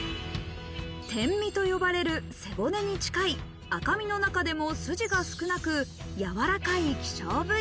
天身と呼ばれる背骨に近い赤身の中でも、スジが少なく、やわらかい希少部位。